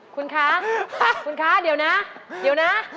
คุณคะเดี๋ยวนะ